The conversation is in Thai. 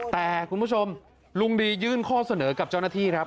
แต่คุณผู้ชมลุงดียื่นข้อเสนอกับเจ้าหน้าที่ครับ